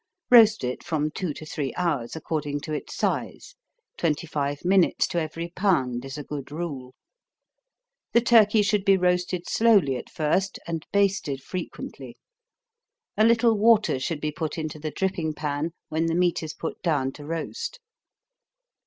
Roast it from two to three hours, according to its size; twenty five minutes to every pound, is a good rule. The turkey should be roasted slowly at first, and basted frequently. A little water should be put into the dripping pan, when the meat is put down to roast.